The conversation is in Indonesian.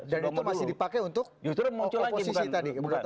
dan itu masih dipakai untuk oposisi tadi